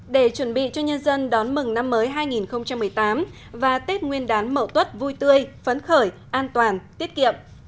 để chuẩn bị cho nhân dân đón mừng năm mới hai nghìn một mươi tám và tết nguyên đán mậu tuất vui tươi phấn khởi an toàn tiết kiệm